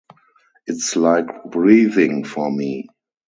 It's like breathing for me.